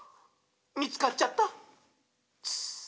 みつかっちゃった！」